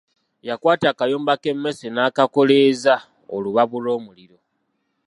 Yakwata akayumba k’emmese n’akakoleeza olubabu lw’omuliro.